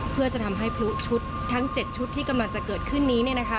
เพื่อจะทำให้พลุชุดทั้ง๗ชุดที่กำลังจะเกิดขึ้นนี้